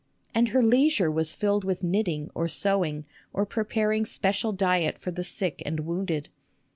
And her leisure was filled with knitting or sewing or preparing special diet for the sick and wounded.